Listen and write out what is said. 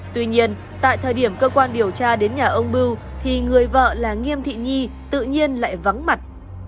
tuy nhiên tại thời điểm cơ quan điều tra đến nhà ông bưu thì người vợ là nghiêm thị nhi tự nhiên lại vắng mặt